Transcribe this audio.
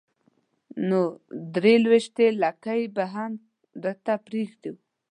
نو درې لوېشتې لکۍ به هم درته پرېږدو.